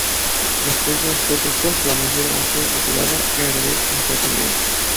Després de les protestes la mesura va ser retirada gairebé completament.